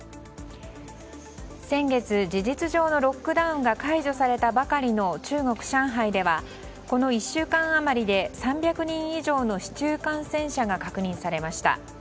先月、事実上のロックダウンが解除されたばかりの中国・上海ではこの１週間余りで３００人以上の市中感染者が確認されました。